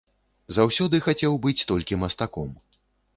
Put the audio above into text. Заўсёды хацеў быць толькі мастаком.